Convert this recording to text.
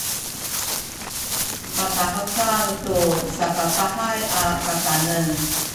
patahekal tu sakapahay a kakanen